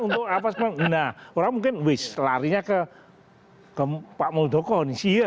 nah orang mungkin wess larinya ke pak muldoko nih sih